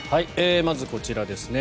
まずこちらです。